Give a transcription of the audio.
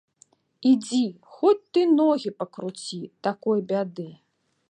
Ідзі, хоць ты ногі пакруці, такой бяды.